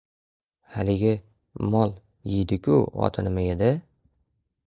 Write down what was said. — Haligi, mol, yeydi-ku, oti nima edi...